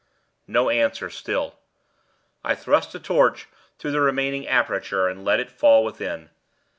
No answer still. I thrust a torch through the remaining aperture and let it fall within.